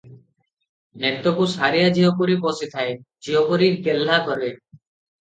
ନେତକୁ ସାରିଆ ଝିଅପରି ପୋଷିଥାଏ, ଝିଅପରି ଗେହ୍ଲା କରେ ।